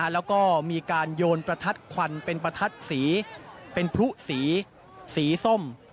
แล้วก็มีการโยนประทัดควันเป็นประทัดสีเป็นพลุสีสีส้ม